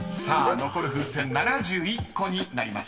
［残る風船７１個になりました］